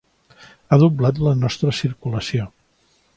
Ha doblat la nostra circulació.